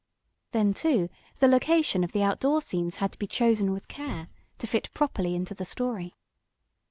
Then, too, the location of the outdoor scenes had to be chosen with care, to fit properly into the story.